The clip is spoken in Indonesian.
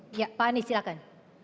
pak anies silahkan